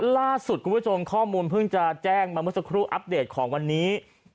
ล่าสุดคุณผู้ชมข้อมูลเพิ่งจะแจ้งมาเมื่อสักครู่อัปเดตของวันนี้